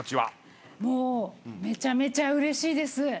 もうめちゃめちゃうれしいです。